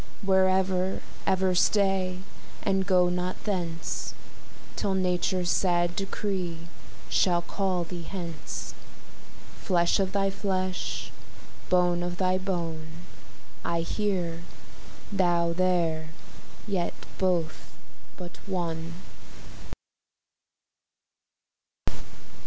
Where ever, ever stay, and go not thence, Till nature's sad decree shall call thee hence; Flesh of thy flesh, bone of thy bone, I here, thou there, yet both but one.